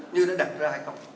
như đã đặt ra